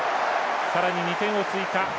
さらに２点を追加。